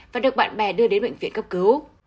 và được bạn bè đưa đến bệnh viện cấp cứu